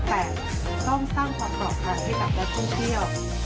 แต่ต้องสร้างความปลอดภัยให้กับนักท่องเที่ยว